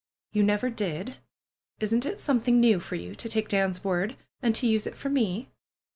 You never did. Isn't it some thing new for you to take Dan's word? And to use it for me?"